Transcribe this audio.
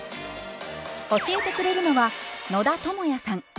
教えてくれるのは野田智也さん。